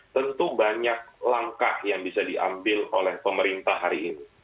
tentu banyak langkah yang bisa diambil oleh pemerintah hari ini